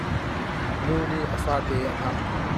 Nu nih a fate a hnamh.